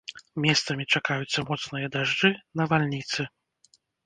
Месцамі чакаюцца моцныя дажджы, навальніцы.